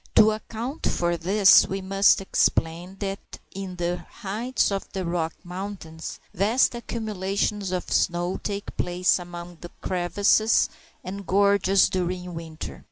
To account for this, we must explain that in the heights of the Rocky Mountains vast accumulations of snow take place among the crevices and gorges during winter.